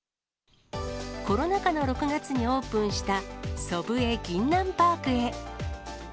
コロナ禍の６月にオープンした祖父江ぎんなんパークへ。